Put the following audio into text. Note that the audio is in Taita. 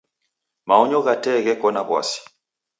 Maonyo gha tee gheko na w'asi.